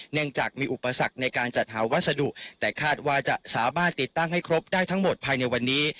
เนื่องจากมีอุปสรรคในการจัดหาวัสดุแต่คาดว่าจะสามารถติดตั้งให้ครบได้ทั้งหมดภายในวันนี้